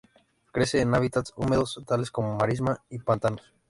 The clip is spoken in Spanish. Crece en hábitats húmedos, tales como marismas y pantanos.